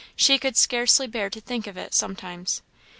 She could scarcely bear to think of it, sometimes.